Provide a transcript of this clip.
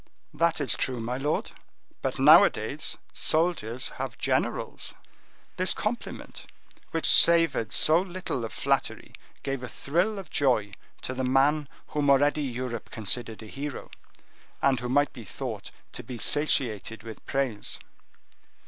"That is true, my lord, but nowadays soldiers have generals." This compliment, which savored so little of flattery, gave a thrill of joy to the man whom already Europe considered a hero; and who might be thought to be satiated with praise.